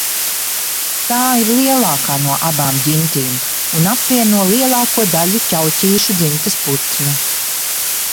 Tā ir lielākā no abām ģintīm un apvieno lielāko daļu ķauķīšu dzimtas putnu.